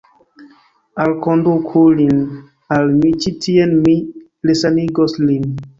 Alkonduku lin al mi ĉi tien; mi resanigos lin.